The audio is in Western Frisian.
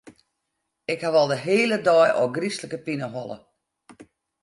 Ik ha al de hiele dei ôfgryslike pineholle.